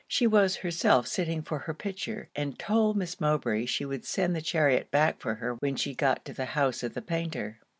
She was herself sitting for her picture; and told Miss Mowbray she would send the chariot back for her when she got to the house of the painter.